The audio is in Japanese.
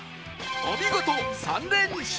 お見事３連勝！